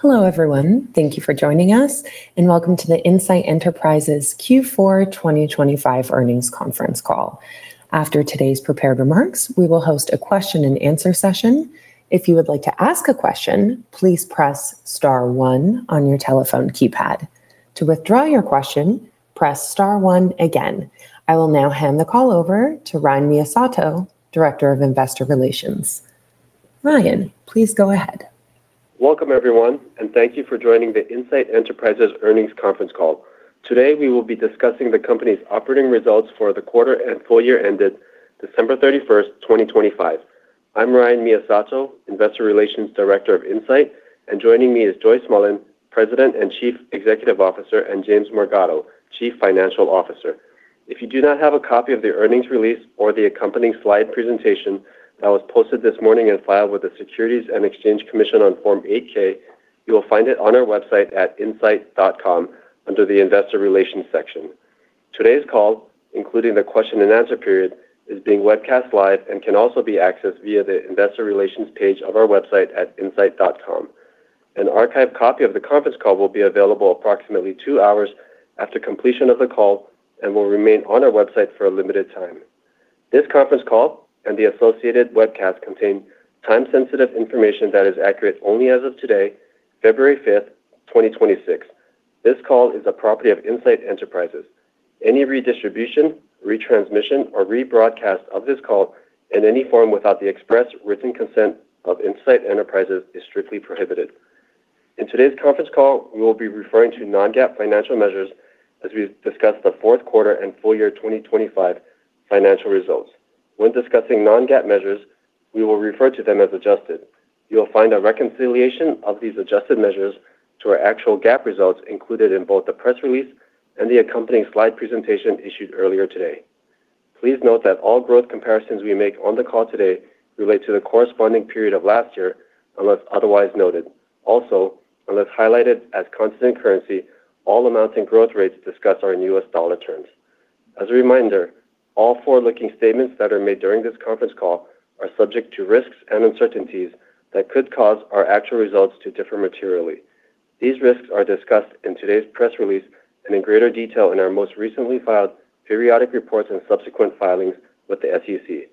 Hello, everyone. Thank you for joining us, and welcome to the Insight Enterprises Q4 2025 earnings conference call. After today's prepared remarks, we will host a question and answer session. If you would like to ask a question, please press star one on your telephone keypad. To withdraw your question, press star one again. I will now hand the call over to Ryan Miyasato, Director of Investor Relations. Ryan, please go ahead. Welcome, everyone, and thank you for joining the Insight Enterprises earnings conference call. Today, we will be discussing the company's operating results for the quarter and full year ended December 31, 2025. I'm Ryan Miyasato, Investor Relations Director of Insight, and joining me is Joyce Mullen, President and Chief Executive Officer, and James Morgado, Chief Financial Officer. If you do not have a copy of the earnings release or the accompanying slide presentation that was posted this morning and filed with the Securities and Exchange Commission on Form 8-K, you will find it on our website at insight.com under the Investor Relations section. Today's call, including the question and answer period, is being webcast live and can also be accessed via the Investor Relations page of our website at insight.com. An archived copy of the conference call will be available approximately 2 hours after completion of the call and will remain on our website for a limited time. This conference call and the associated webcast contain time-sensitive information that is accurate only as of today, February 5, 2026. This call is a property of Insight Enterprises. Any redistribution, retransmission, or rebroadcast of this call in any form without the express written consent of Insight Enterprises is strictly prohibited. In today's conference call, we will be referring to non-GAAP financial measures as we discuss the fourth quarter and full year 2025 financial results. When discussing non-GAAP measures, we will refer to them as adjusted. You will find a reconciliation of these adjusted measures to our actual GAAP results included in both the press release and the accompanying slide presentation issued earlier today. Please note that all growth comparisons we make on the call today relate to the corresponding period of last year, unless otherwise noted. Also, unless highlighted as constant currency, all amounts and growth rates discussed are in U.S. dollar terms. As a reminder, all forward-looking statements that are made during this conference call are subject to risks and uncertainties that could cause our actual results to differ materially. These risks are discussed in today's press release and in greater detail in our most recently filed periodic reports and subsequent filings with the SEC.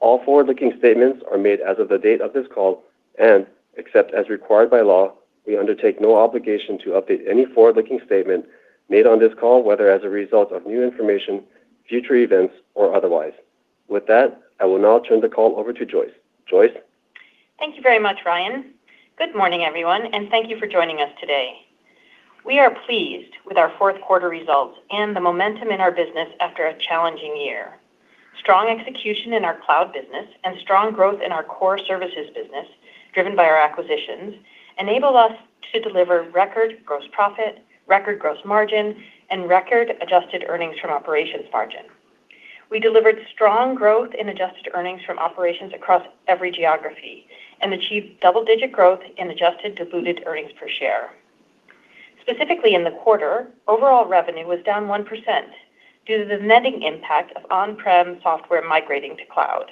All forward-looking statements are made as of the date of this call, and except as required by law, we undertake no obligation to update any forward-looking statement made on this call, whether as a result of new information, future events, or otherwise. With that, I will now turn the call over to Joyce. Joyce? Thank you very much, Ryan. Good morning, everyone, and thank you for joining us today. We are pleased with our fourth quarter results and the momentum in our business after a challenging year. Strong execution in our cloud business and strong growth in our core services business, driven by our acquisitions, enable us to deliver record gross profit, record gross margin, and record adjusted earnings from operations margin. We delivered strong growth in adjusted earnings from operations across every geography and achieved double-digit growth in adjusted diluted earnings per share. Specifically in the quarter, overall revenue was down 1% due to the netting impact of on-prem software migrating to cloud.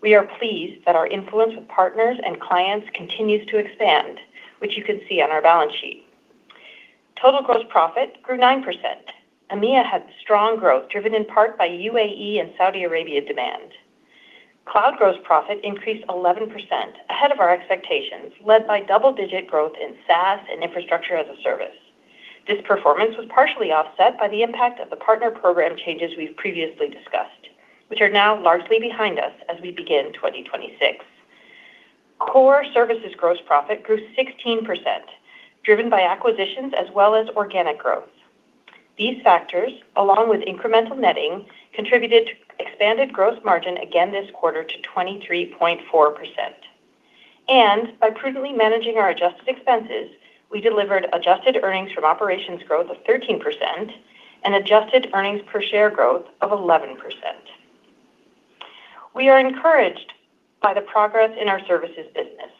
We are pleased that our influence with partners and clients continues to expand, which you can see on our balance sheet. Total gross profit grew 9%. EMEA had strong growth, driven in part by UAE and Saudi Arabia demand. Cloud gross profit increased 11%, ahead of our expectations, led by double-digit growth in SaaS and infrastructure as a service. This performance was partially offset by the impact of the partner program changes we've previously discussed, which are now largely behind us as we begin 2026. Core services gross profit grew 16%, driven by acquisitions as well as organic growth. These factors, along with incremental netting, contributed to expanded gross margin again this quarter to 23.4%. By prudently managing our adjusted expenses, we delivered adjusted earnings from operations growth of 13% and adjusted earnings per share growth of 11%. We are encouraged by the progress in our services business.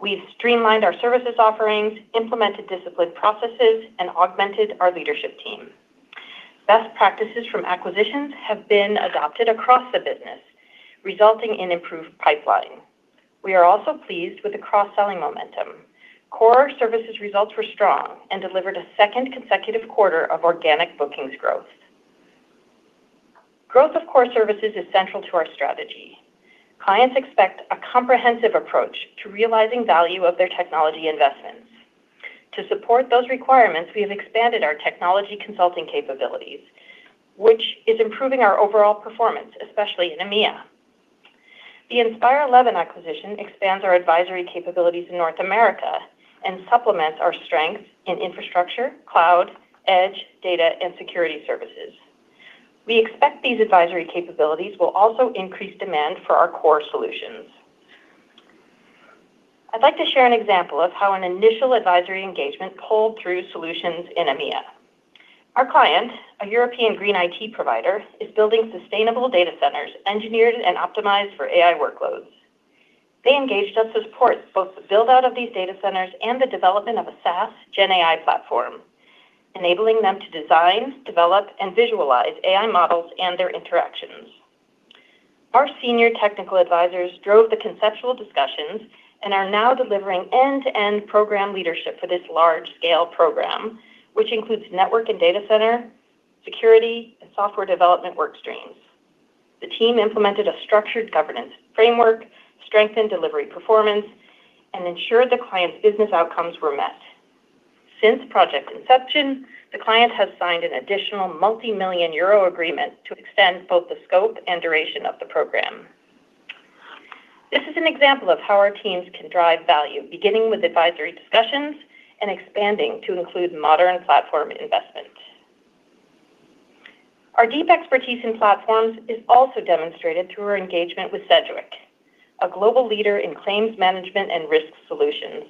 We've streamlined our services offerings, implemented disciplined processes, and augmented our leadership team. Best practices from acquisitions have been adopted across the business, resulting in improved pipeline. We are also pleased with the cross-selling momentum. Core services results were strong and delivered a second consecutive quarter of organic bookings growth. Growth of core services is central to our strategy. Clients expect a comprehensive approach to realizing value of their technology investments. To support those requirements, we have expanded our technology consulting capabilities, which is improving our overall performance, especially in EMEA. The Inspire11 acquisition expands our advisory capabilities in North America and supplements our strength in infrastructure, cloud, edge, data, and security services. We expect these advisory capabilities will also increase demand for our core solutions. I'd like to share an example of how an initial advisory engagement pulled through solutions in EMEA. Our client, a European green IT provider, is building sustainable data centers engineered and optimized for AI workloads. They engaged us to support both the build-out of these data centers and the development of a SaaS GenAI platform, enabling them to design, develop, and visualize AI models and their interactions.... Our senior technical advisors drove the conceptual discussions and are now delivering end-to-end program leadership for this large-scale program, which includes network and data center, security, and software development work streams. The team implemented a structured governance framework, strengthened delivery performance, and ensured the client's business outcomes were met. Since project inception, the client has signed an additional multi-million EUR agreement to extend both the scope and duration of the program. This is an example of how our teams can drive value, beginning with advisory discussions and expanding to include modern platform investment. Our deep expertise in platforms is also demonstrated through our engagement with Sedgwick, a global leader in claims management and risk solutions.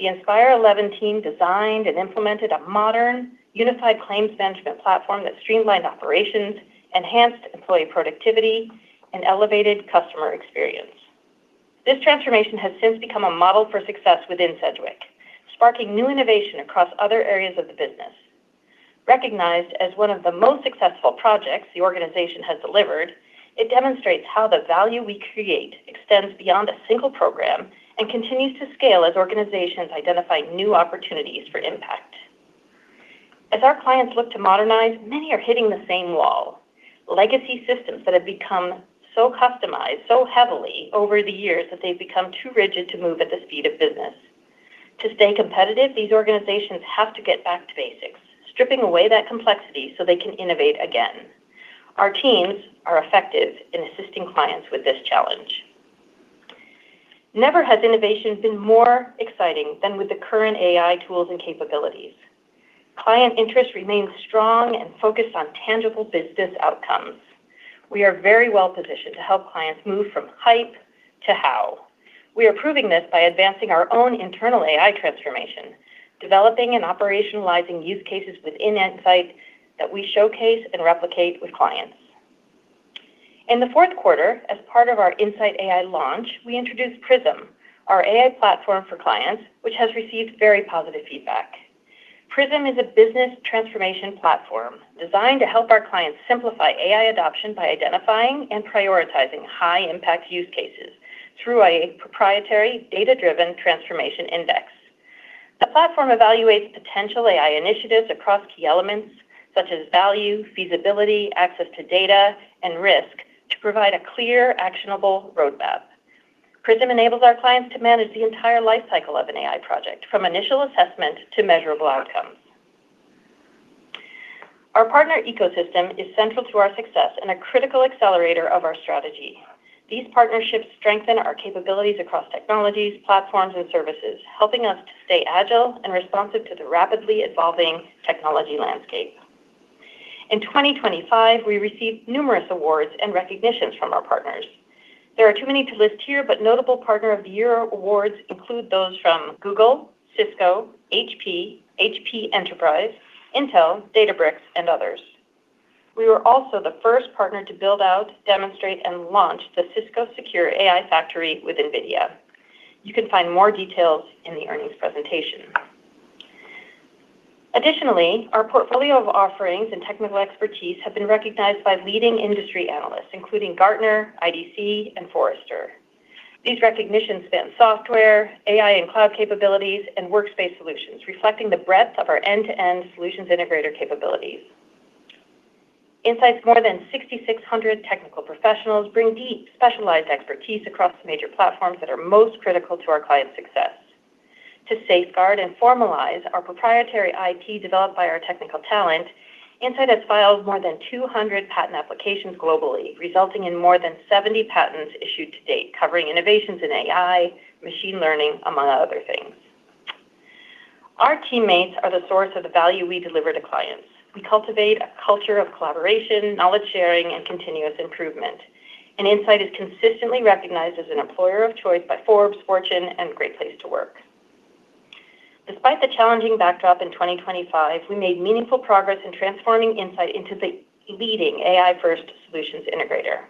The Inspire11 team designed and implemented a modern, unified claims management platform that streamlined operations, enhanced employee productivity, and elevated customer experience. This transformation has since become a model for success within Sedgwick, sparking new innovation across other areas of the business. Recognized as one of the most successful projects the organization has delivered, it demonstrates how the value we create extends beyond a single program and continues to scale as organizations identify new opportunities for impact. As our clients look to modernize, many are hitting the same wall: legacy systems that have become so customized so heavily over the years that they've become too rigid to move at the speed of business. To stay competitive, these organizations have to get back to basics, stripping away that complexity so they can innovate again. Our teams are effective in assisting clients with this challenge. Never has innovation been more exciting than with the current AI tools and capabilities. Client interest remains strong and focused on tangible business outcomes. We are very well-positioned to help clients move from hype to how. We are proving this by advancing our own internal AI transformation, developing and operationalizing use cases within Insight that we showcase and replicate with clients. In the fourth quarter, as part of our Insight AI launch, we introduced Prism, our AI platform for clients, which has received very positive feedback. Prism is a business transformation platform designed to help our clients simplify AI adoption by identifying and prioritizing high-impact use cases through a proprietary data-driven transformation index. The platform evaluates potential AI initiatives across key elements such as value, feasibility, access to data, and risk to provide a clear, actionable roadmap. Prism enables our clients to manage the entire lifecycle of an AI project, from initial assessment to measurable outcomes. Our partner ecosystem is central to our success and a critical accelerator of our strategy. These partnerships strengthen our capabilities across technologies, platforms, and services, helping us to stay agile and responsive to the rapidly evolving technology landscape. In 2025, we received numerous awards and recognitions from our partners. There are too many to list here, but notable Partner of the Year awards include those from Google, Cisco, HP, HP Enterprise, Intel, Databricks, and others. We were also the first partner to build out, demonstrate, and launch the Cisco Secure AI Factory with NVIDIA. You can find more details in the earnings presentation. Additionally, our portfolio of offerings and technical expertise have been recognized by leading industry analysts, including Gartner, IDC, and Forrester. These recognitions span software, AI and cloud capabilities, and workspace solutions, reflecting the breadth of our end-to-end solutions integrator capabilities. Insight's more than 6,600 technical professionals bring deep, specialized expertise across the major platforms that are most critical to our clients' success. To safeguard and formalize our proprietary IP developed by our technical talent, Insight has filed more than 200 patent applications globally, resulting in more than 70 patents issued to date, covering innovations in AI, machine learning, among other things. Our teammates are the source of the value we deliver to clients. We cultivate a culture of collaboration, knowledge sharing, and continuous improvement, and Insight is consistently recognized as an employer of choice by Forbes, Fortune, and a great place to work. Despite the challenging backdrop in 2025, we made meaningful progress in transforming Insight into the leading AI-first solutions integrator.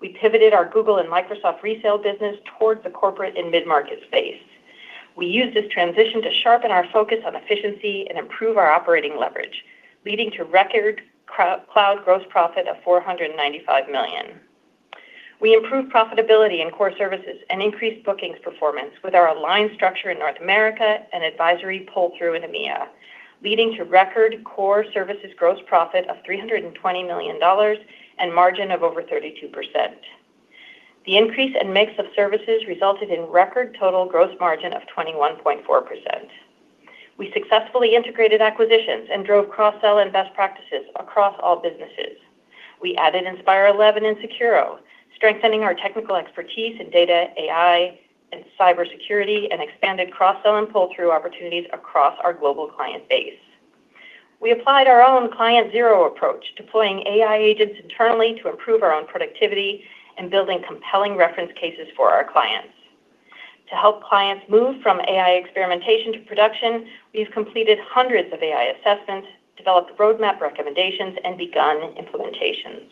We pivoted our Google and Microsoft resale business towards the corporate and mid-market space. We used this transition to sharpen our focus on efficiency and improve our operating leverage, leading to record cloud gross profit of $495 million. We improved profitability in core services and increased bookings performance with our aligned structure in North America and advisory pull-through in EMEA, leading to record core services gross profit of $320 million and margin of over 32%. The increase in mix of services resulted in record total gross margin of 21.4%. We successfully integrated acquisitions and drove cross-sell and best practices across all businesses. We added Inspire11 and Sekuro, strengthening our technical expertise in data, AI, and cybersecurity, and expanded cross-sell and pull-through opportunities across our global client base. We applied our own Client Zero approach, deploying AI agents internally to improve our own productivity and building compelling reference cases for our clients. To help clients move from AI experimentation to production, we've completed hundreds of AI assessments, developed roadmap recommendations, and begun implementations.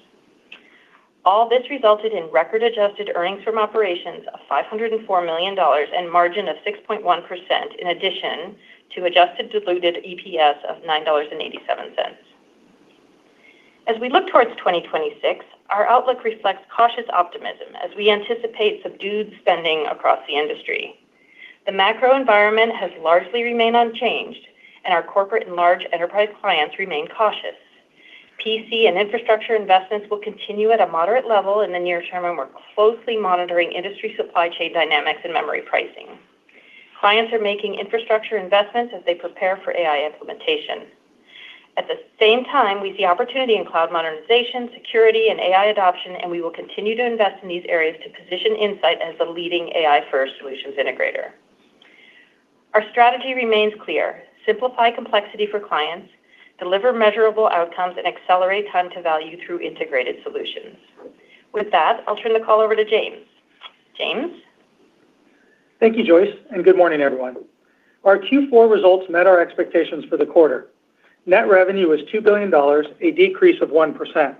All this resulted in record adjusted earnings from operations of $504 million and margin of 6.1%, in addition to adjusted diluted EPS of $9.87. As we look towards 2026, our outlook reflects cautious optimism as we anticipate subdued spending across the industry. The macro environment has largely remained unchanged, and our corporate and large enterprise clients remain cautious. PC and infrastructure investments will continue at a moderate level in the near term, and we're closely monitoring industry supply chain dynamics and memory pricing. Clients are making infrastructure investments as they prepare for AI implementation. At the same time, we see opportunity in cloud modernization, security, and AI adoption, and we will continue to invest in these areas to position Insight as the leading AI-first solutions integrator. Our strategy remains clear: simplify complexity for clients, deliver measurable outcomes, and accelerate time to value through integrated solutions. With that, I'll turn the call over to James. James? Thank you, Joyce, and good morning, everyone. Our Q4 results met our expectations for the quarter. Net revenue was $2 billion, a decrease of 1%.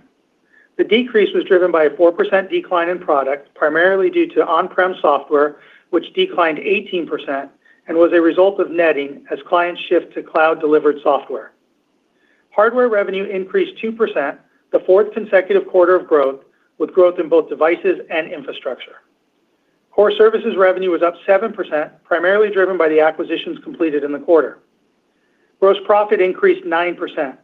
The decrease was driven by a 4% decline in product, primarily due to on-prem software, which declined 18% and was a result of netting as clients shift to cloud-delivered software. Hardware revenue increased 2%, the fourth consecutive quarter of growth, with growth in both devices and infrastructure. Core services revenue was up 7%, primarily driven by the acquisitions completed in the quarter. Gross profit increased 9%.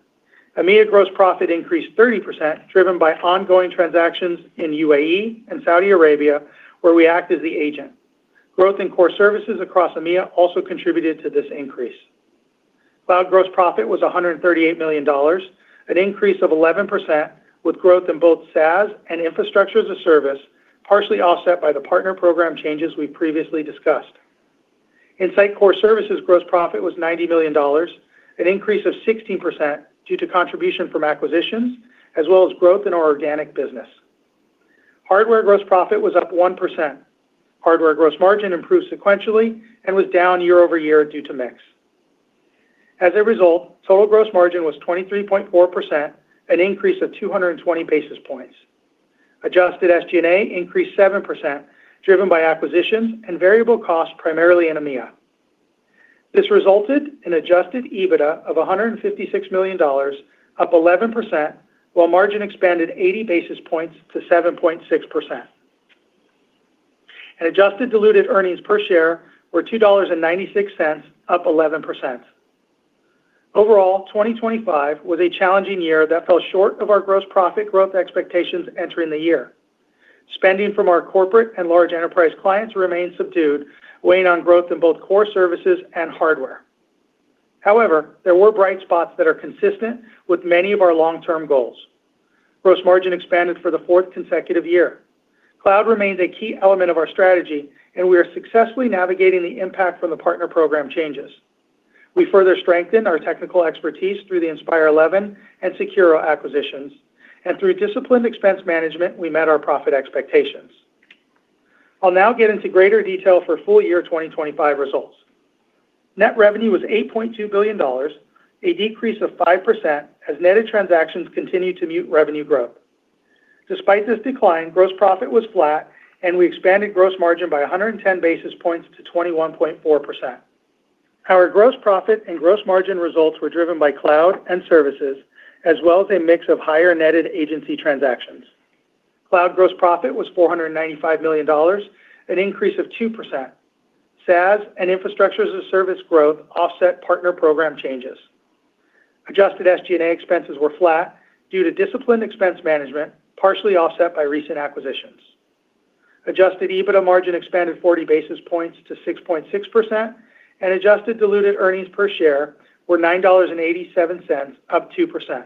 EMEA gross profit increased 30%, driven by ongoing transactions in UAE and Saudi Arabia, where we act as the agent. Growth in core services across EMEA also contributed to this increase. Cloud gross profit was $138 million, an increase of 11%, with growth in both SaaS and Infrastructure as a Service, partially offset by the partner program changes we previously discussed. Insight Core Services gross profit was $90 million, an increase of 16% due to contribution from acquisitions, as well as growth in our organic business. Hardware gross profit was up 1%. Hardware gross margin improved sequentially and was down year-over-year due to mix. As a result, total gross margin was 23.4%, an increase of 220 basis points. Adjusted SG&A increased 7%, driven by acquisitions and variable costs, primarily in EMEA. This resulted in adjusted EBITDA of $156 million, up 11%, while margin expanded 80 basis points to 7.6%. Adjusted diluted earnings per share were $2.96, up 11%. Overall, 2025 was a challenging year that fell short of our gross profit growth expectations entering the year. Spending from our corporate and large enterprise clients remained subdued, weighing on growth in both core services and hardware. However, there were bright spots that are consistent with many of our long-term goals. Gross margin expanded for the fourth consecutive year. Cloud remains a key element of our strategy, and we are successfully navigating the impact from the partner program changes. We further strengthened our technical expertise through the Inspire11 and Sekuro acquisitions, and through disciplined expense management, we met our profit expectations. I'll now get into greater detail for full year 2025 results. Net revenue was $8.2 billion, a decrease of 5%, as netted transactions continued to mute revenue growth. Despite this decline, gross profit was flat, and we expanded gross margin by 110 basis points to 21.4%. Our gross profit and gross margin results were driven by cloud and services, as well as a mix of higher netted agency transactions. Cloud gross profit was $495 million, an increase of 2%. SaaS and Infrastructure as a Service growth offset partner program changes. Adjusted SG&A expenses were flat due to disciplined expense management, partially offset by recent acquisitions. Adjusted EBITDA margin expanded 40 basis points to 6.6%, and adjusted diluted earnings per share were $9.87, up 2%.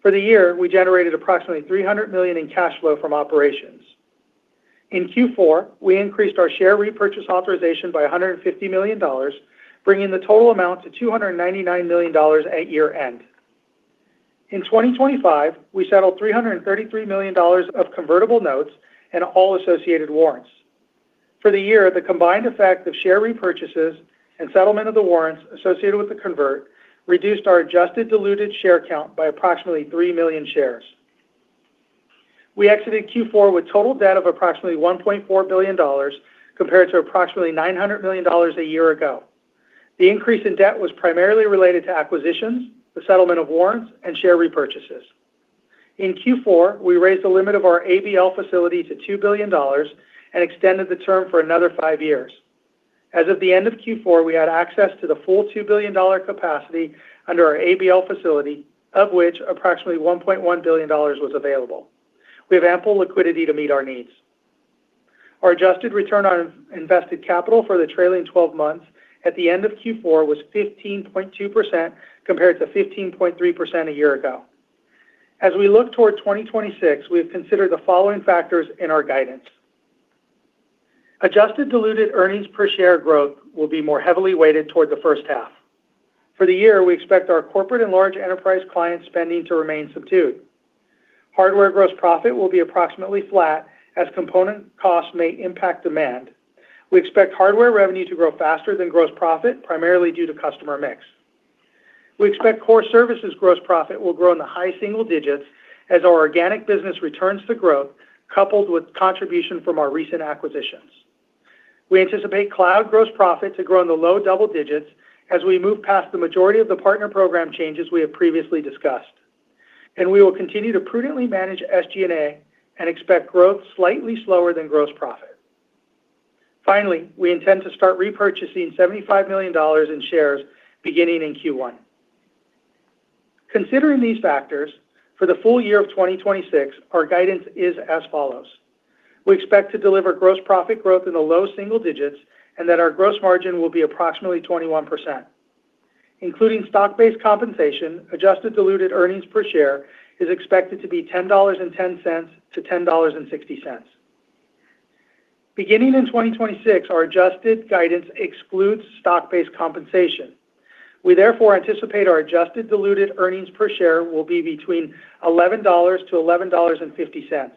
For the year, we generated approximately $300 million in cash flow from operations. In Q4, we increased our share repurchase authorization by $150 million, bringing the total amount to $299 million at year-end. In 2025, we settled $333 million of convertible notes and all associated warrants. For the year, the combined effect of share repurchases and settlement of the warrants associated with the convertible reduced our adjusted diluted share count by approximately 3 million shares. We exited Q4 with total debt of approximately $1.4 billion, compared to approximately $900 million a year ago. The increase in debt was primarily related to acquisitions, the settlement of warrants, and share repurchases. In Q4, we raised the limit of our ABL facility to $2 billion and extended the term for another 5 years. As of the end of Q4, we had access to the full $2 billion capacity under our ABL facility, of which approximately $1.1 billion was available. We have ample liquidity to meet our needs. Our adjusted return on invested capital for the trailing twelve months at the end of Q4 was 15.2%, compared to 15.3% a year ago. As we look toward 2026, we have considered the following factors in our guidance. Adjusted diluted earnings per share growth will be more heavily weighted toward the first half. For the year, we expect our corporate and large enterprise client spending to remain subdued. Hardware gross profit will be approximately flat, as component costs may impact demand. We expect hardware revenue to grow faster than gross profit, primarily due to customer mix. We expect core services gross profit will grow in the high single digits as our organic business returns to growth, coupled with contribution from our recent acquisitions. We anticipate cloud gross profit to grow in the low double digits as we move past the majority of the partner program changes we have previously discussed. We will continue to prudently manage SG&A, and expect growth slightly slower than gross profit. Finally, we intend to start repurchasing $75 million in shares beginning in Q1. Considering these factors, for the full year of 2026, our guidance is as follows: We expect to deliver gross profit growth in the low single digits, and that our gross margin will be approximately 21%. Including stock-based compensation, adjusted diluted earnings per share is expected to be $10.10-$10.60. Beginning in 2026, our adjusted guidance excludes stock-based compensation. We therefore anticipate our adjusted diluted earnings per share will be between $11-$11.50.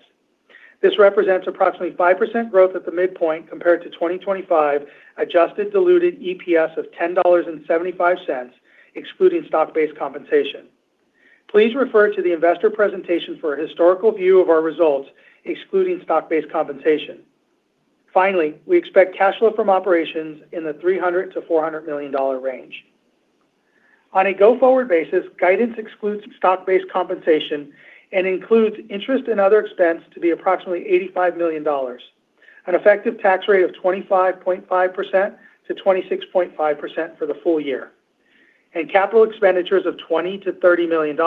This represents approximately 5% growth at the midpoint compared to 2025 adjusted diluted EPS of $10.75, excluding stock-based compensation. Please refer to the investor presentation for a historical view of our results, excluding stock-based compensation. Finally, we expect cash flow from operations in the $300 million-$400 million range. On a go-forward basis, guidance excludes stock-based compensation and includes interest and other expense to be approximately $85 million, an effective tax rate of 25.5%-26.5% for the full year, and capital expenditures of $20 million-$30 million,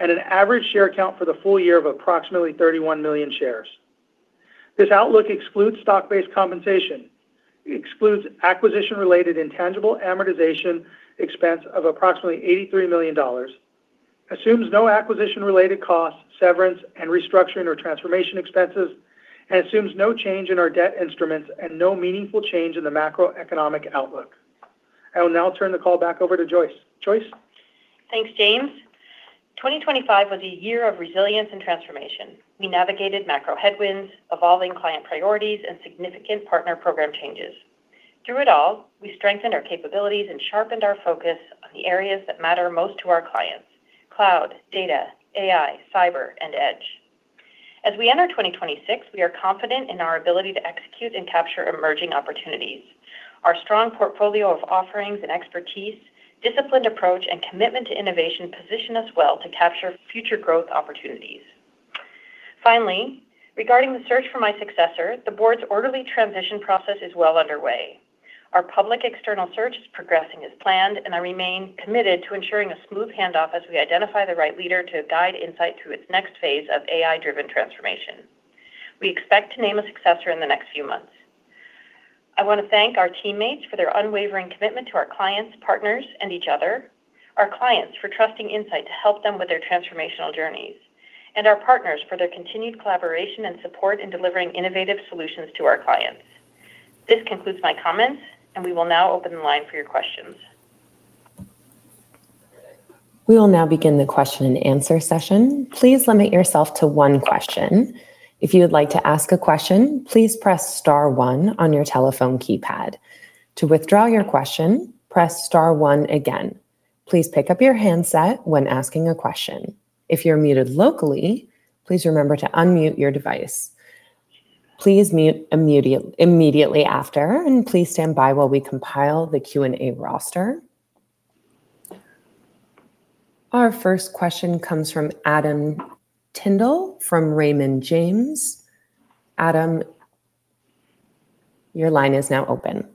and an average share count for the full year of approximately 31 million shares. This outlook excludes stock-based compensation, excludes acquisition-related intangible amortization expense of approximately $83 million, assumes no acquisition-related costs, severance, and restructuring or transformation expenses, and assumes no change in our debt instruments and no meaningful change in the macroeconomic outlook. I will now turn the call back over to Joyce. Joyce? Thanks, James. 2025 was a year of resilience and transformation. We navigated macro headwinds, evolving client priorities, and significant partner program changes. Through it all, we strengthened our capabilities and sharpened our focus on the areas that matter most to our clients: cloud, data, AI, cyber, and edge. As we enter 2026, we are confident in our ability to execute and capture emerging opportunities. Our strong portfolio of offerings and expertise, disciplined approach, and commitment to innovation position us well to capture future growth opportunities. Finally, regarding the search for my successor, the board's orderly transition process is well underway. Our public external search is progressing as planned, and I remain committed to ensuring a smooth handoff as we identify the right leader to guide Insight through its next phase of AI-driven transformation. We expect to name a successor in the next few months. I want to thank our teammates for their unwavering commitment to our clients, partners, and each other, our clients for trusting Insight to help them with their transformational journeys, and our partners for their continued collaboration and support in delivering innovative solutions to our clients. This concludes my comments, and we will now open the line for your questions. We will now begin the question-and-answer session. Please limit yourself to one question. If you would like to ask a question, please press star one on your telephone keypad. To withdraw your question, press star one again. Please pick up your handset when asking a question. If you're muted locally, please remember to unmute your device. Please mute immediately after, and please stand by while we compile the Q&A roster. Our first question comes from Adam Tindle from Raymond James. Adam, your line is now open.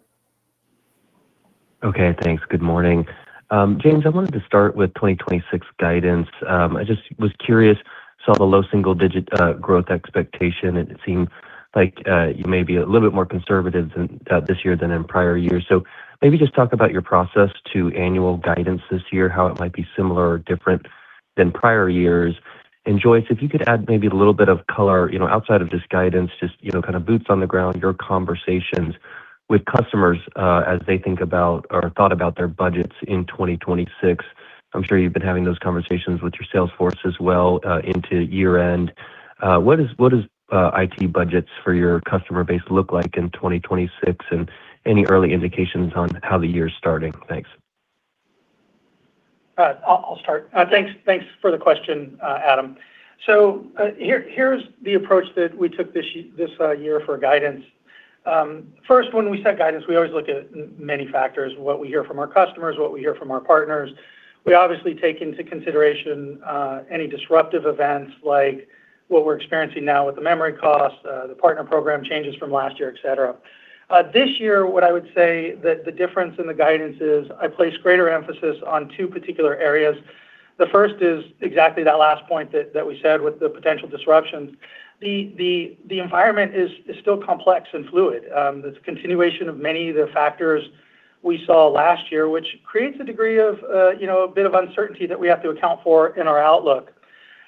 Okay, thanks. Good morning. James, I wanted to start with 2026 guidance. I just was curious, saw the low single-digit growth expectation, and it seemed like you may be a little bit more conservative than this year than in prior years. So maybe just talk about your process to annual guidance this year, how it might be similar or different than prior years. And, Joyce, if you could add maybe a little bit of color, you know, outside of this guidance, just, you know, kind of boots on the ground, your conversations with customers, as they think about or thought about their budgets in 2026. I'm sure you've been having those conversations with your sales force as well, into year-end. What is IT budgets for your customer base look like in 2026, and any early indications on how the year is starting? Thanks. I'll start. Thanks for the question, Adam. So, here's the approach that we took this year for guidance. First, when we set guidance, we always look at many factors: what we hear from our customers, what we hear from our partners. We obviously take into consideration any disruptive events, like what we're experiencing now with the memory costs, the partner program changes from last year, et cetera. This year, what I would say that the difference in the guidance is I place greater emphasis on two particular areas. The first is exactly that last point that we said with the potential disruptions. The environment is still complex and fluid. There's a continuation of many of the factors we saw last year, which creates a degree of, you know, a bit of uncertainty that we have to account for in our outlook.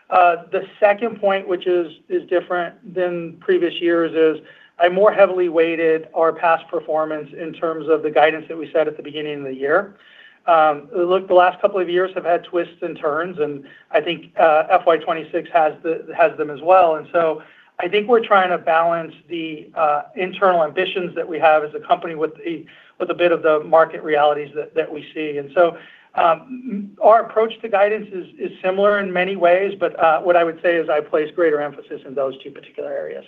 The second point, which is different than previous years, is I more heavily weighted our past performance in terms of the guidance that we set at the beginning of the year. Look, the last couple of years have had twists and turns, and I think, FY 26 has them as well. And so I think we're trying to balance the internal ambitions that we have as a company with a bit of the market realities that we see. So, our approach to guidance is similar in many ways, but what I would say is I place greater emphasis in those two particular areas.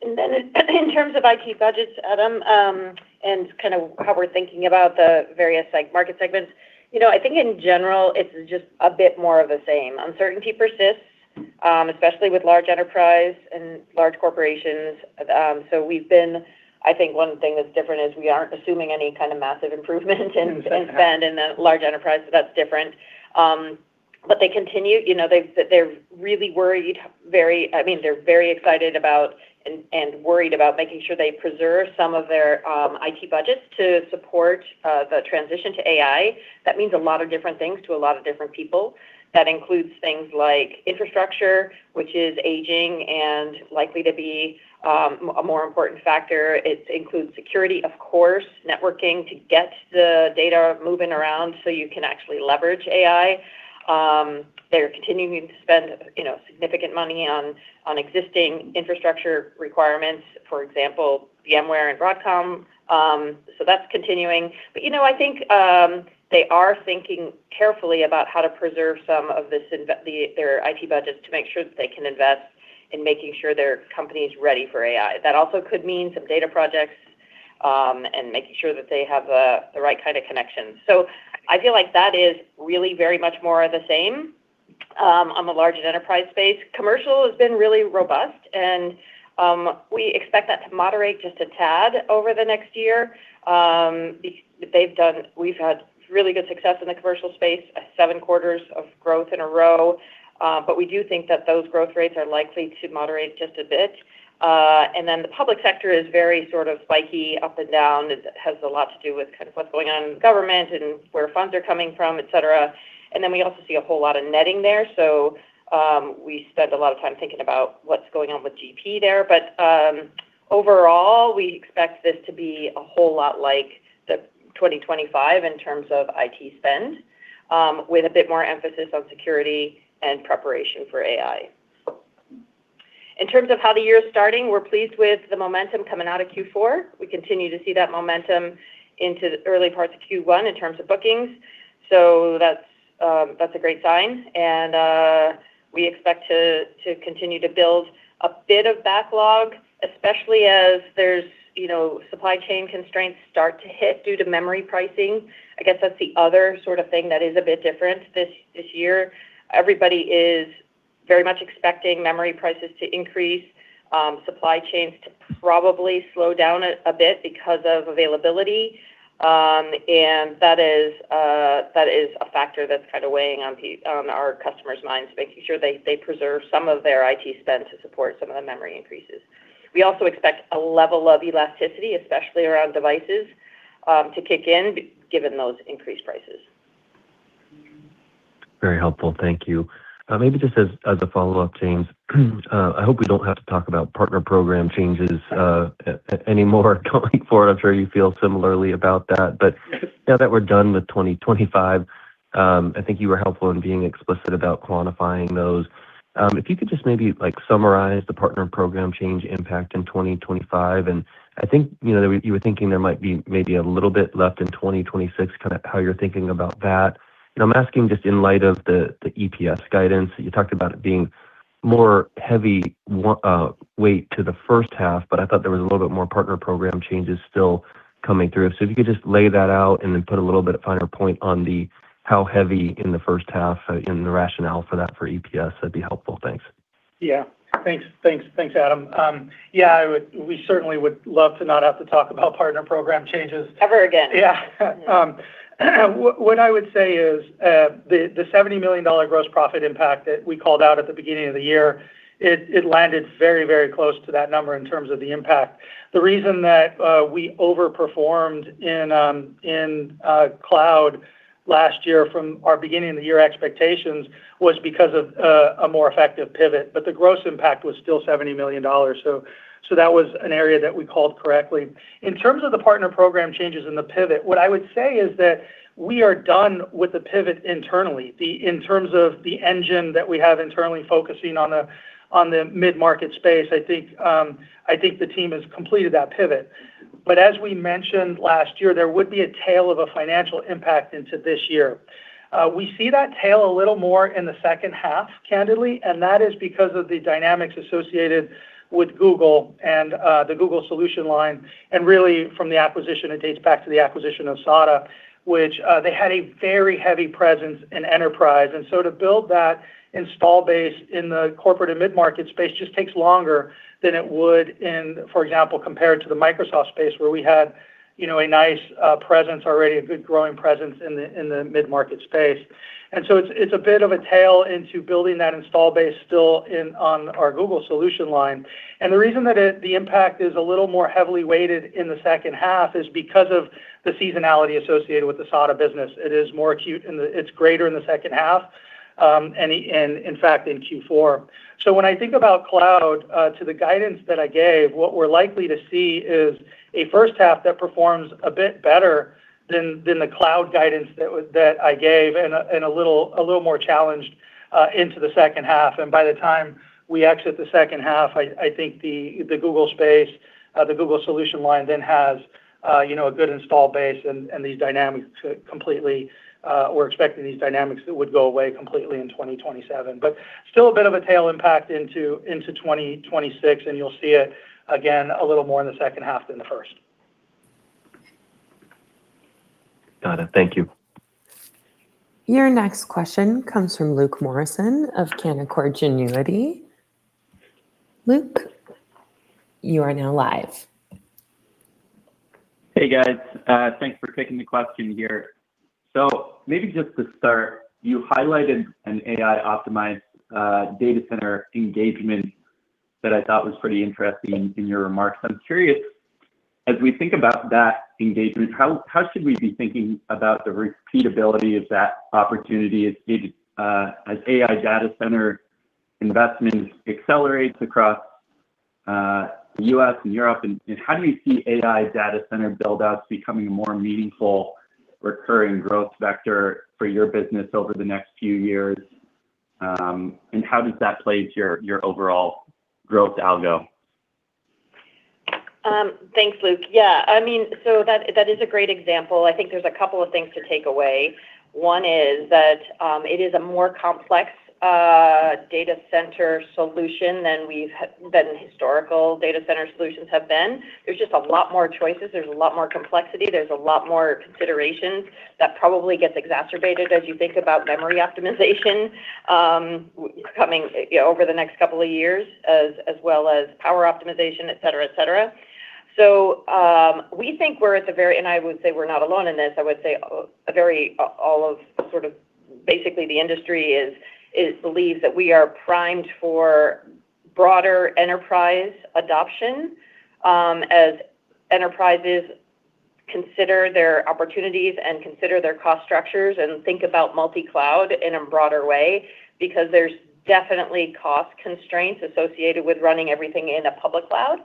And then in terms of IT budgets, Adam, and kind of how we're thinking about the various like, market segments, you know, I think in general, it's just a bit more of the same. Uncertainty persists, especially with large enterprise and large corporations. So I think one thing that's different is we aren't assuming any kind of massive improvement in spend in the large enterprise, so that's different. But they continue, you know, they're really worried, I mean, they're very excited about and worried about making sure they preserve some of their IT budgets to support the transition to AI. That means a lot of different things to a lot of different people. That includes things like infrastructure, which is aging and likely to be a more important factor. It includes security, of course, networking to get the data moving around so you can actually leverage AI. They're continuing to spend, you know, significant money on existing infrastructure requirements, for example, VMware and Broadcom. So that's continuing. But, you know, I think they are thinking carefully about how to preserve some of this investment, their IT budgets to make sure that they can invest in making sure their company is ready for AI. That also could mean some data projects and making sure that they have the right kind of connections. So I feel like that is really very much more of the same on the large enterprise space. Commercial has been really robust, and we expect that to moderate just a tad over the next year. We've had really good success in the commercial space, seven quarters of growth in a row. But we do think that those growth rates are likely to moderate just a bit. And then the public sector is very sort of spiky, up and down. It has a lot to do with kind of what's going on in government and where funds are coming from, et cetera. And then we also see a whole lot of netting there, so, we spend a lot of time thinking about what's going on with GP there. But, overall, we expect this to be a whole lot like the 2025 in terms of IT spend, with a bit more emphasis on security and preparation for AI. In terms of how the year is starting, we're pleased with the momentum coming out of Q4. We continue to see that momentum into the early parts of Q1 in terms of bookings, so that's a great sign. And we expect to continue to build a bit of backlog, especially as there's, you know, supply chain constraints start to hit due to memory pricing. I guess that's the other sort of thing that is a bit different this year. Everybody is very much expecting memory prices to increase, supply chains to probably slow down a bit because of availability. And that is a factor that's kind of weighing on on our customers' minds, making sure they preserve some of their IT spend to support some of the memory increases. We also expect a level of elasticity, especially around devices, to kick in, given those increased prices. Very helpful. Thank you. Maybe just as a follow-up, James, I hope we don't have to talk about partner program changes anymore going forward. I'm sure you feel similarly about that. But now that we're done with 2025, I think you were helpful in being explicit about quantifying those. If you could just maybe, like, summarize the partner program change impact in 2025. And I think, you know, you were thinking there might be maybe a little bit left in 2026, kind of how you're thinking about that. And I'm asking just in light of the EPS guidance. You talked about it being more heavy weight to the first half, but I thought there was a little bit more partner program changes still coming through. If you could just lay that out and then put a little bit finer point on the how heavy in the first half and the rationale for that for EPS, that'd be helpful. Thanks. Yeah. Thanks. Thanks, thanks, Adam. Yeah, we certainly would love to not have to talk about partner program changes. Ever again. Yeah. What I would say is, the $70 million gross profit impact that we called out at the beginning of the year, it landed very, very close to that number in terms of the impact. The reason that we overperformed in cloud last year from our beginning-of-the-year expectations was because of a more effective pivot, but the gross impact was still $70 million. So that was an area that we called correctly. In terms of the partner program changes in the pivot, what I would say is that we are done with the pivot internally. In terms of the engine that we have internally focusing on the mid-market space, I think the team has completed that pivot. But as we mentioned last year, there would be a tail of a financial impact into this year. We see that tail a little more in the second half, candidly, and that is because of the dynamics associated with Google and the Google solution line, and really, from the acquisition, it dates back to the acquisition of SADA, which they had a very heavy presence in enterprise. And so to build that install base in the corporate and mid-market space just takes longer than it would in, for example, compared to the Microsoft space, where we had, you know, a nice presence already, a good growing presence in the mid-market space. And so it's a bit of a tail into building that install base still on our Google solution line. And the reason that the impact is a little more heavily weighted in the second half is because of the seasonality associated with the SADA business. It is more acute in the second half. It's greater in the second half, and in fact, in Q4. So when I think about cloud to the guidance that I gave, what we're likely to see is a first half that performs a bit better than the cloud guidance that I gave, and a little more challenged into the second half. And by the time we exit the second half, I think the Google solution line then has you know, a good install base, and these dynamics could completely, we're expecting these dynamics would go away completely in 2027. But still a bit of a tail impact into 2026, and you'll see it again a little more in the second half than the first. Got it. Thank you. Your next question comes from Luke Morrison of Canaccord Genuity. Luke, you are now live. Hey, guys. Thanks for taking the question here. So maybe just to start, you highlighted an AI-optimized data center engagement that I thought was pretty interesting in your remarks. I'm curious, as we think about that engagement, how should we be thinking about the repeatability of that opportunity as big as AI data center investment accelerates across U.S. and Europe? And how do we see AI data center build-outs becoming a more meaningful recurring growth vector for your business over the next few years, and how does that play to your overall growth algo? Thanks, Luke. Yeah, I mean, so that, that is a great example. I think there's a couple of things to take away. One is that, it is a more complex, data center solution than we've than historical data center solutions have been. There's just a lot more choices. There's a lot more complexity. There's a lot more considerations. That probably gets exacerbated as you think about memory optimization, coming, you know, over the next couple of years, as, as well as power optimization, et cetera, et cetera. So, we think we're at the very... And I would say we're not alone in this. I would say, all of sort of basically the industry is, believes that we are primed for broader enterprise adoption, as enterprises consider their opportunities and consider their cost structures, and think about multi-cloud in a broader way, because there's definitely cost constraints associated with running everything in a public cloud.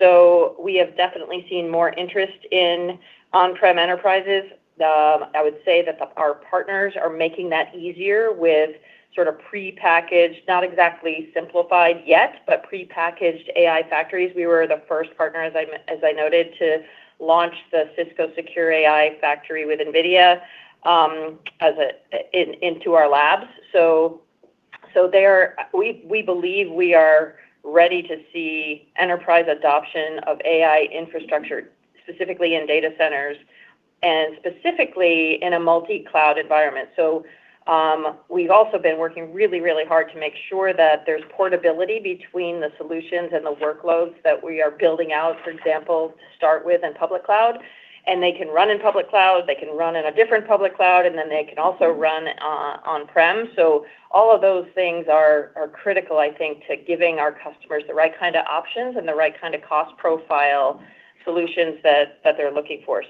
So we have definitely seen more interest in on-prem enterprises. I would say that our partners are making that easier with sort of prepackaged, not exactly simplified yet, but prepackaged AI factories. We were the first partner, as I noted, to launch the Cisco Secure AI Factory with NVIDIA into our labs. So there, we believe we are ready to see enterprise adoption of AI infrastructure, specifically in data centers and specifically in a multi-cloud environment. So, we've also been working really, really hard to make sure that there's portability between the solutions and the workloads that we are building out, for example, to start with in public cloud. And they can run in public cloud, they can run in a different public cloud, and then they can also run on-prem. So all of those things are critical, I think, to giving our customers the right kind of options and the right kind of cost profile solutions that they're looking for.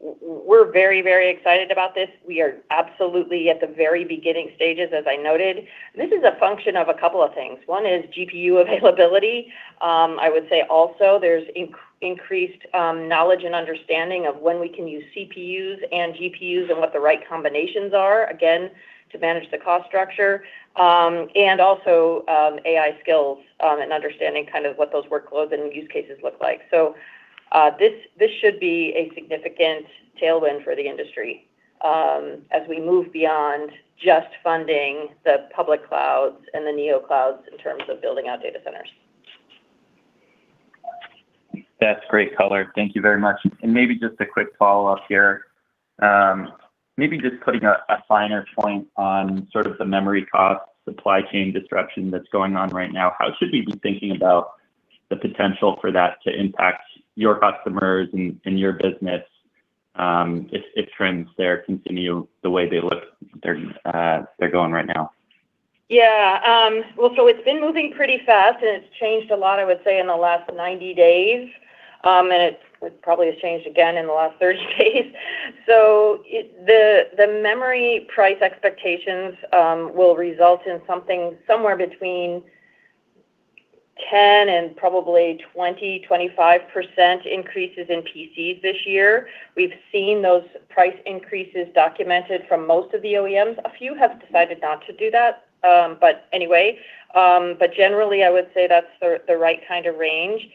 So we're very, very excited about this. We are absolutely at the very beginning stages, as I noted. This is a function of a couple of things. One is GPU availability. I would say also there's increased knowledge and understanding of when we can use CPUs and GPUs, and what the right combinations are, again, to manage the cost structure. And also, AI skills, and understanding kind of what those workloads and use cases look like. So, this should be a significant tailwind for the industry, as we move beyond just funding the public clouds and the neo clouds in terms of building out data centers. That's great color. Thank you very much. And maybe just a quick follow-up here. Maybe just putting a finer point on sort of the memory cost, supply chain disruption that's going on right now. How should we be thinking about the potential for that to impact your customers and your business, if trends there continue the way they look, they're going right now? Yeah. Well, so it's been moving pretty fast, and it's changed a lot, I would say, in the last 90 days. And it's, it probably has changed again in the last 30 days. So it... The memory price expectations will result in something somewhere between 10% and probably 20%-25% increases in PCs this year. We've seen those price increases documented from most of the OEMs. A few have decided not to do that. But anyway, but generally, I would say that's the right kind of range.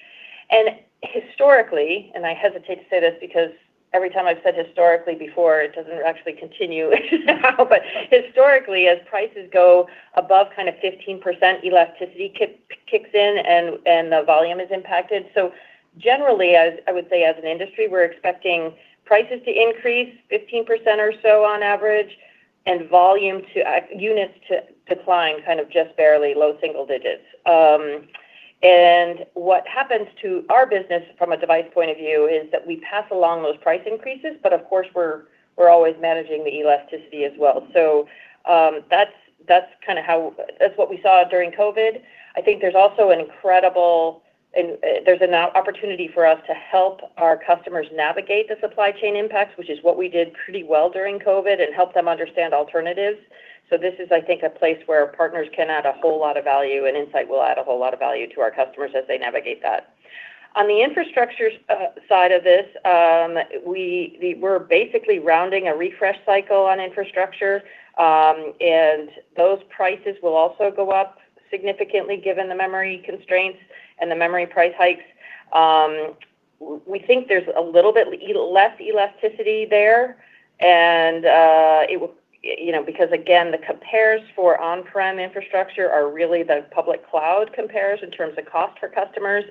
And historically, and I hesitate to say this because every time I've said historically before, it doesn't actually continue now, but historically, as prices go above kind of 15%, elasticity kicks in and, and the volume is impacted. So generally, as I would say, as an industry, we're expecting prices to increase 15% or so on average, and volume to-- units to decline, kind of just barely low single digits. And what happens to our business from a device point of view is that we pass along those price increases, but of course, we're, we're always managing the elasticity as well. So, that's, that's kind of how... That's what we saw during COVID. I think there's also an incredible, and there's an opportunity for us to help our customers navigate the supply chain impacts, which is what we did pretty well during COVID, and helped them understand alternatives. So this is, I think, a place where partners can add a whole lot of value, and Insight will add a whole lot of value to our customers as they navigate that. On the infrastructure side of this, we're basically rounding a refresh cycle on infrastructure. Those prices will also go up significantly given the memory constraints and the memory price hikes. We think there's a little bit less elasticity there, and you know, because again, the compares for on-prem infrastructure are really the public cloud compares in terms of cost for customers,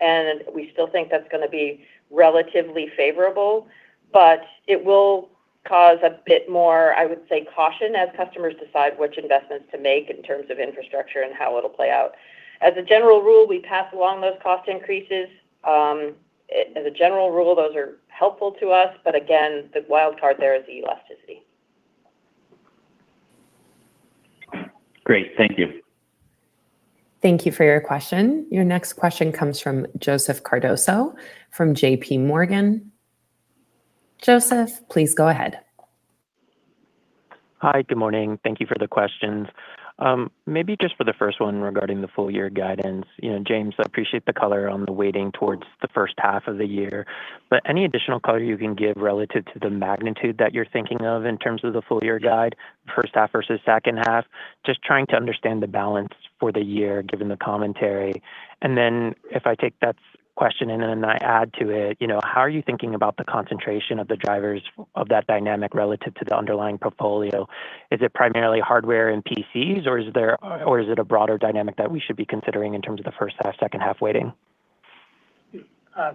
and we still think that's gonna be relatively favorable. But it will cause a bit more, I would say, caution as customers decide which investments to make in terms of infrastructure and how it'll play out. As a general rule, we pass along those cost increases. As a general rule, those are helpful to us, but again, the wild card there is the elasticity. Great. Thank you. Thank you for your question. Your next question comes from Joseph Cardoso from J.P. Morgan. Joseph, please go ahead. Hi, good morning. Thank you for the questions. Maybe just for the first one regarding the full-year guidance, you know, James, I appreciate the color on the weighting towards the first half of the year. But any additional color you can give relative to the magnitude that you're thinking of in terms of the full-year guide, first half versus second half? Just trying to understand the balance for the year, given the commentary. And then if I take that question and then I add to it, you know, how are you thinking about the concentration of the drivers of that dynamic relative to the underlying portfolio? Is it primarily hardware and PCs, or is there, or is it a broader dynamic that we should be considering in terms of the first half, second half weighting?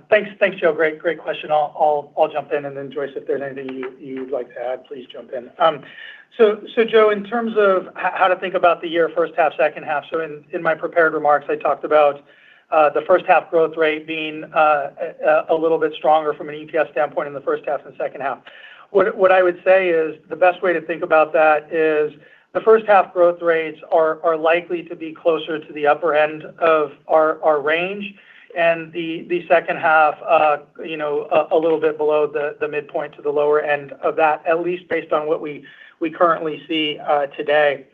Thanks, thanks, Joe. Great, great question. I'll jump in, and then, Joyce, if there's anything you'd like to add, please jump in. So, so Joe, in terms of how to think about the year, first half, second half, so in my prepared remarks, I talked about the first half growth rate being a little bit stronger from an EPS standpoint in the first half than the second half. What I would say is the best way to think about that is the first half growth rates are likely to be closer to the upper end of our range, and the second half, you know, a little bit below the midpoint to the lower end of that, at least based on what we currently see today.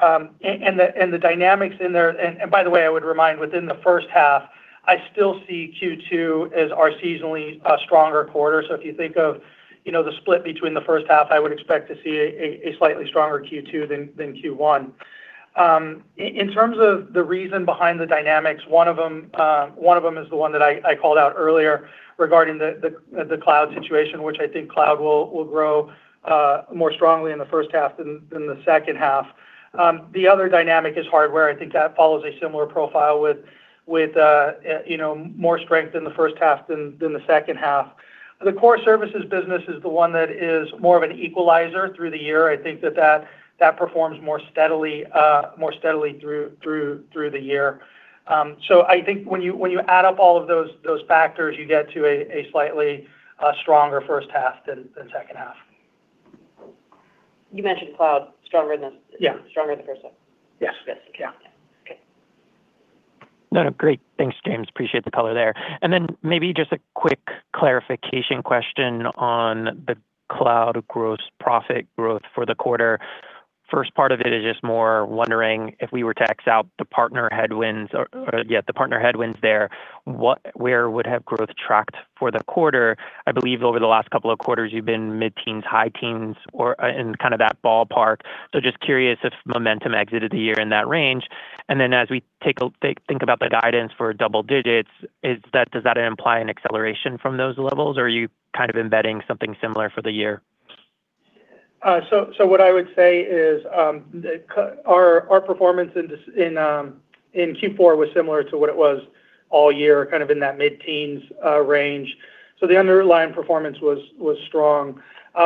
And the dynamics in there. By the way, I would remind, within the first half, I still see Q2 as our seasonally stronger quarter. So if you think of, you know, the split between the first half, I would expect to see a slightly stronger Q2 than Q1. In terms of the reason behind the dynamics, one of them is the one that I called out earlier regarding the cloud situation, which I think cloud will grow more strongly in the first half than the second half. The other dynamic is hardware. I think that follows a similar profile with, you know, more strength in the first half than the second half. The core services business is the one that is more of an equalizer through the year. I think that performs more steadily through the year. So I think when you add up all of those factors, you get to a slightly stronger first half than second half. You mentioned cloud, stronger than- Yeah. Stronger in the first half? Yes. Good. Yeah. Okay. No, no. Great. Thanks, James. Appreciate the color there. And then maybe just a quick clarification question on the cloud gross profit growth for the quarter. First part of it is just more wondering if we were to x out the partner headwinds or... Yeah, the partner headwinds there, where would growth have tracked for the quarter? I believe over the last couple of quarters, you've been mid-teens, high teens, or in kind of that ballpark. So just curious if momentum exited the year in that range. And then as we think about the guidance for double digits, does that imply an acceleration from those levels, or are you kind of embedding something similar for the year? So, so what I would say is, our performance in this in Q4 was similar to what it was all year, kind of in that mid-teens range. So the underlying performance was strong.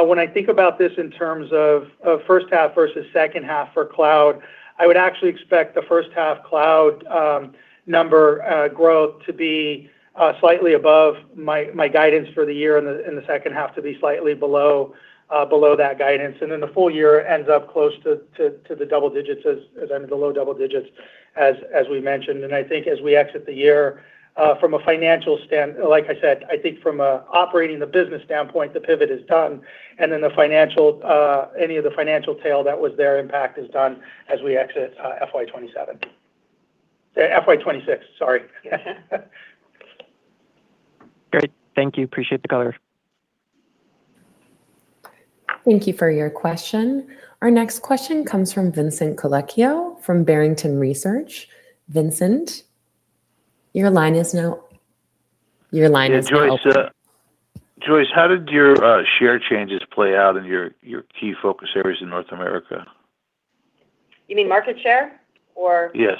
When I think about this in terms of first half versus second half for cloud, I would actually expect the first half cloud number growth to be slightly above my guidance for the year and the second half to be slightly below that guidance. And then the full year ends up close to the double digits as under the low double digits, as we mentioned. I think as we exit the year, from a financial standpoint. Like I said, I think from an operating the business standpoint, the pivot is done, and then the financial, any of the financial tail that was there impact is done as we exit, FY 2027. FY 2026, sorry. Great. Thank you. Appreciate the color. Thank you for your question. Our next question comes from Vincent Colicchio from Barrington Research. Vincent, your line is now... Your line is open. Yeah, Joyce, Joyce, how did your share changes play out in your key focus areas in North America? You mean market share, or- Yes.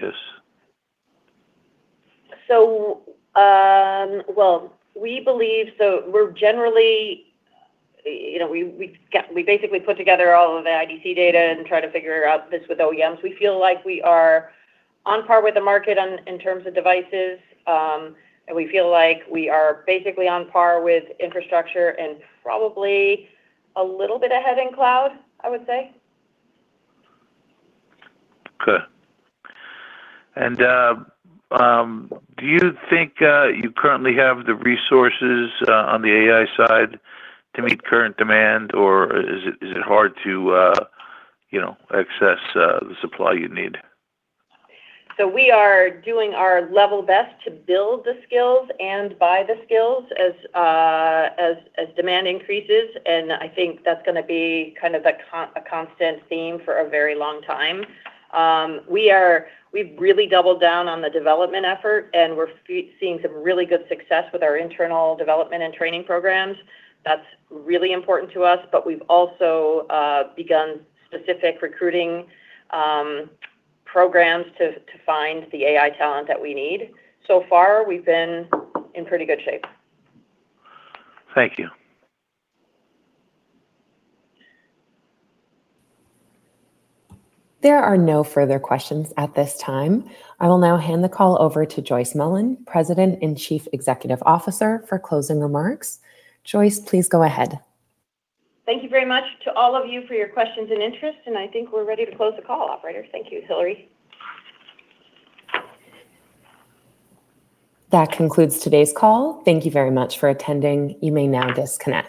Yes. Well, we believe, so we're generally, you know, we basically put together all of the IDC data and try to figure out this with OEMs. We feel like we are on par with the market in terms of devices, and we feel like we are basically on par with infrastructure and probably a little bit ahead in cloud, I would say. Okay. And do you think you currently have the resources on the AI side to meet current demand, or is it hard to you know access the supply you need? So we are doing our level best to build the skills and buy the skills as demand increases, and I think that's gonna be kind of a constant theme for a very long time. We've really doubled down on the development effort, and we're seeing some really good success with our internal development and training programs. That's really important to us, but we've also begun specific recruiting programs to find the AI talent that we need. So far, we've been in pretty good shape. Thank you. There are no further questions at this time. I will now hand the call over to Joyce Mullen, President and Chief Executive Officer, for closing remarks. Joyce, please go ahead. Thank you very much to all of you for your questions and interest, and I think we're ready to close the call, operator. Thank you, Hillary. That concludes today's call. Thank you very much for attending. You may now disconnect.